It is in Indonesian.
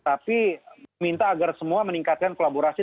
tapi minta agar semua meningkatkan kolaborasi